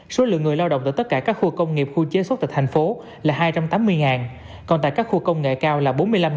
số lượng người lao động tại tất cả các khu công nghiệp khu chế xuất tại thành phố là hai trăm tám mươi còn tại các khu công nghệ cao là bốn mươi năm